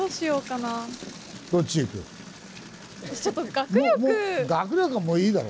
学力はもういいだろ。